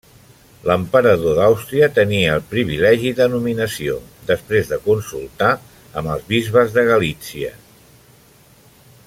L'emperador d'Àustria tenia el privilegi de nominació, després de consultar amb els bisbes de Galítsia.